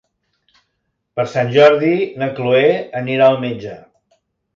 Per Sant Jordi na Chloé anirà al metge.